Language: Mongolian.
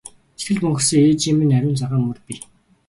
Сэтгэлд мөнхөрсөн ээжийн минь ариун цагаан мөр бий!